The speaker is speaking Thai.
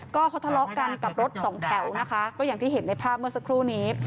ก็เขาทะเลาะกันกับรถสองแถวนะคะก็อย่างที่เห็นในภาพเมื่อสักครู่นี้